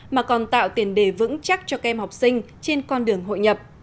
mà còn tạo tiền đề vững chắc cho kem học sinh trên con đường hội nhập